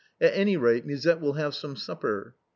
" At any rate. Musette will have some supper."